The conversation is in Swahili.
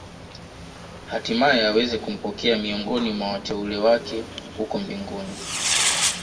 Hatimae aweze kumpokea miongoni mwa wateule wake huko mbinguni